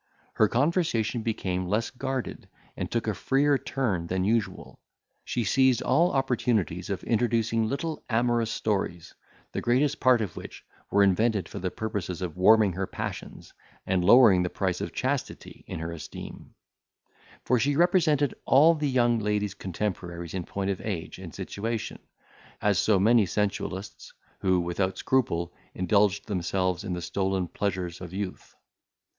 Her conversation became less guarded, and took a freer turn than usual; she seized all opportunities of introducing little amorous stories, the greatest part of which were invented for the purposes of warming her passions, and lowering the price of chastity in her esteem; for she represented all the young lady's contemporaries in point of age and situation, as so many sensualists, who, without scruple, indulged themselves in the stolen pleasures of youth.